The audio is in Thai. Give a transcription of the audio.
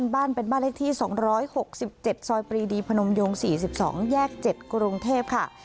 บ้านเป็นบ้านเลขที่๒๖๗ซอยปรีดีพนมโยง๔๒แยก๗กรุงเทพค่ะ